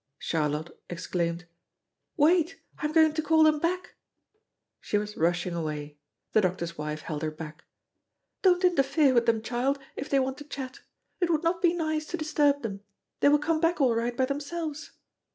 Charlotte exclaimed: "Wait! I'm going to call them back!" She was rushing away. The doctor's wife held her back: "Don't interfere with them, child, if they want to chat! It would not be nice to disturb them. They will come back all right by themselves."